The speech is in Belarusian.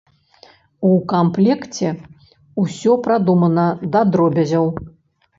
У камплекце ўсё прадумана да дробязяў.